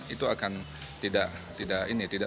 itu akan tidak